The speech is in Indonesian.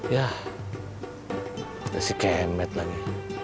yah udah sih kemet lagi